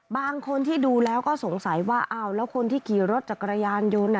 บางคนที่ดูแล้วก็สงสัยว่าอ้าวแล้วคนที่ขี่รถจักรยานยนต์